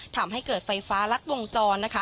ทำให้เกิดไฟฟ้ารัดวงจรนะคะ